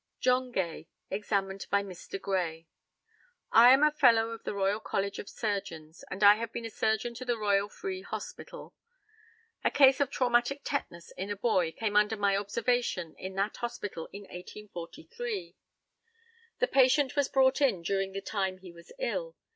JOHN GAY, examined by Mr. GRAY: I am a Fellow of the Royal College of Surgeons, and I have been a surgeon to the Royal Free Hospital. A case of traumatic tetanus in a boy came under my observation in that hospital in 1843. The patient was brought in during the time he was ill.